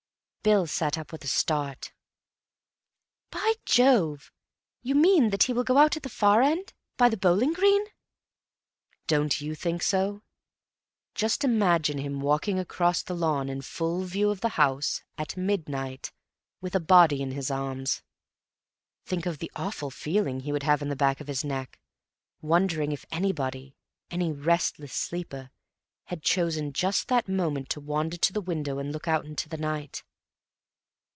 Bill sat up with a start. "By Jove, you mean that he will go out at the far end by the bowling green?" "Don't you think so? Just imagine him walking across the lawn in full view of the house, at midnight, with a body in his arms. Think of the awful feeling he would have in the back of the neck, wondering if anybody, any restless sleeper, had chosen just that moment to wander to the window and look out into the night.